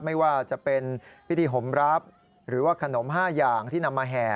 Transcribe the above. ไม่ว่าจะเป็นพิธีห่มรับหรือว่าขนม๕อย่างที่นำมาแห่